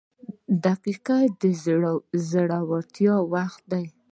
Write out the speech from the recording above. • دقیقه د زړورتیا وخت دی.